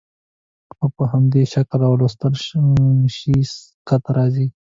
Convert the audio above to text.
خو په همدې شکل ولوستل شي سکته راځي.